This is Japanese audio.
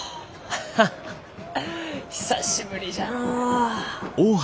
ハハハ久しぶりじゃのう。